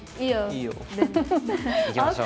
いきましょう！